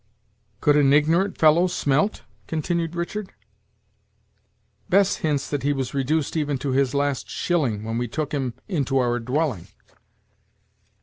"Could an ignorant fellow smelt?" continued Richard. "Bess hints that he was reduced even to his last shilling when we took him into our dwelling."